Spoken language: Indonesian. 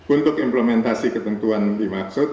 untuk implementasi ketentuan dimaksud